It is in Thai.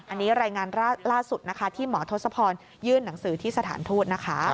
อันนี้รายงานล่าสุดนะคะที่หมอทศพรยื่นหนังสือที่สถานทูตนะคะ